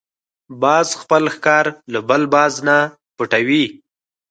باز خپل ښکار له بل باز نه پټوي